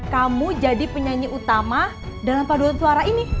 kamu jadi penyanyi utama dalam paduan suara ini